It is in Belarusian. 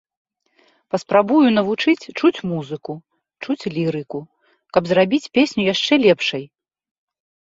Паспрабую навучыць чуць музыку, чуць лірыку, каб зрабіць песню яшчэ лепшай.